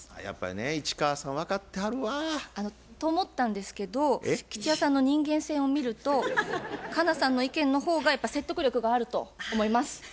やっぱりね市川さん分かってはるわ。と思ったんですけど吉弥さんの人間性を見ると佳奈さんの意見の方がやっぱり説得力があると思います。